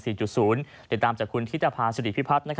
ติดตามจากคุณทิศภาษณ์สุดีพิพัฒน์